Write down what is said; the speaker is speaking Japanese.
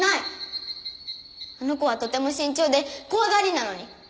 あの子はとても慎重で怖がりなのに。